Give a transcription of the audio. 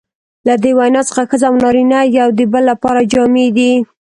له دې وینا څخه ښځه او نارینه یو د بل لپاره جامې دي.